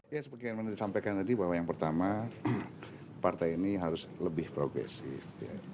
ya seperti yang disampaikan tadi bahwa yang pertama partai ini harus lebih progresif